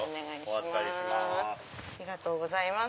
ありがとうございます。